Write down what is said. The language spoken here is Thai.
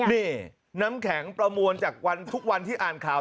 นี่น้ำแข็งประมวลจากวันทุกวันที่อ่านข่าว